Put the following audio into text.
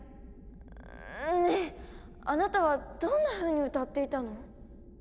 んっあなたはどんなふうに歌っていたの？